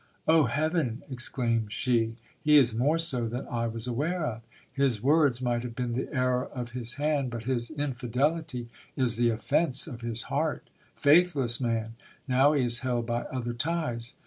Oh, heaven ! exclaimed she, he is more so than I was aware of. His words might have been the error of his hand, but his infidelity is the offence of his heart. Faithless man ! Now he is held by other ties